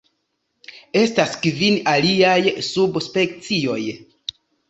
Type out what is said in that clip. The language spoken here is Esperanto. Estas kvin aliaj subspecioj.